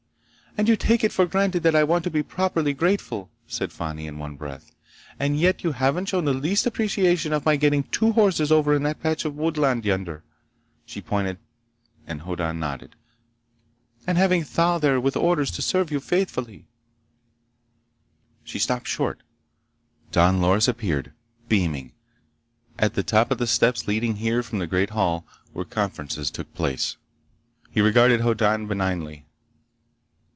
"And you take it for granted that I want to be properly grateful," said Fani in one breath, "and yet you haven't shown the least appreciation of my getting two horses over in that patch of woodland yonder"—she pointed and Hoddan nodded—"and having Thal there with orders to serve you faithfully—" She stopped short. Don Loris appeared, beaming, at the top of the steps leading here from the great hall where conferences took place. He regarded Hoddan benignly.